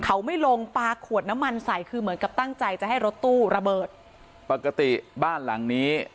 เขาไม่ลงปลาขวดน้ำมันใส่คือเหมือนกับตั้งใจจะให้รถตู้ระเบิดปกติบ้านหลังนี้